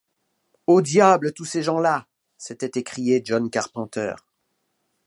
Au diable tous ces gens-là!... s’était écrié John Carpenter.